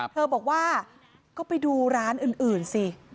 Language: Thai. เธอบอกว่าก็ไปดูร้านอื่นสิ